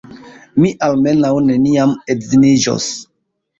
Mi almenaŭ neniam edziniĝos!